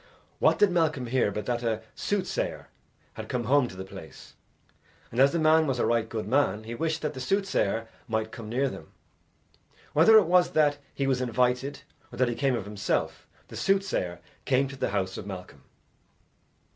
What did Malcolm hear but that a soothsayer had come home to the place, and as the man was a right good man, he wished that the soothsayer might come near them. Whether it was that he was invited or that he came of himself, the soothsayer came to the house of Malcolm.